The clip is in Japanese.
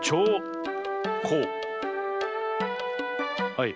はい。